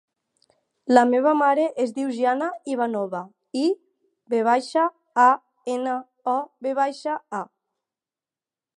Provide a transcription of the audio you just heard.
La meva mare es diu Gianna Ivanova: i, ve baixa, a, ena, o, ve baixa, a.